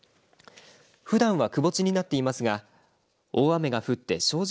ふだんは、くぼ地になっていますが大雨が降って精進